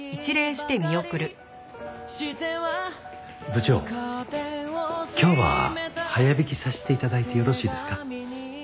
部長今日は早引きさせて頂いてよろしいですか？